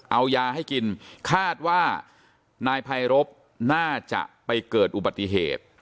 เอายาให้กินคาดว่านายภัยรบน่าจะไปเกิดอุบัติเหตุ